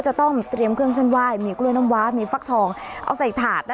จะต้องเตรียมเครื่องเส้นไหว้มีกล้วยน้ำว้ามีฟักทองเอาใส่ถาด